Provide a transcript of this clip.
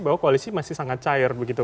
bahwa koalisi masih sangat cair begitu